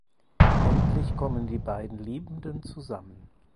Endlich kommen die beiden Liebenden zusammen.